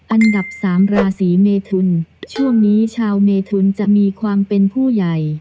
อันดับสามราศีเมทุนช่วงนี้ชาวเมทุนจะมีความเป็นผู้ใหญ่